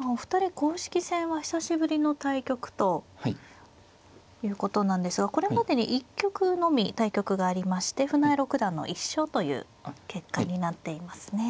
お二人公式戦は久しぶりの対局ということなんですがこれまでに１局のみ対局がありまして船江六段の１勝という結果になっていますね。